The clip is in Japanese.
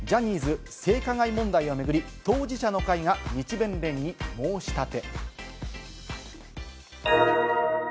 ジャニーズ性加害問題を巡り、当事者の会が日弁連に申し立て。